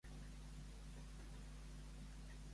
Per què és coneguda Ainhoa Arzibu?